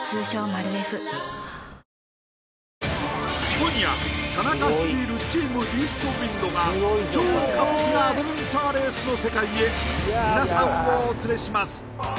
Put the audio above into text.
今夜田中率いるチームイーストウインドが超過酷なアドベンチャーレースの世界へ皆さんをお連れします